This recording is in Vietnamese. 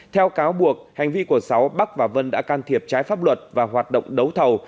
theo cáo buộc hành vi của sáu bắc và vân đã can thiệp trái pháp luật và hoạt động đấu thầu